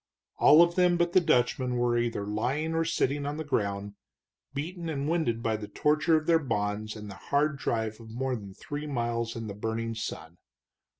All of them but the Dutchman were either lying or sitting on the ground, beaten and winded by the torture of their bonds and the hard drive of more than three miles in the burning sun.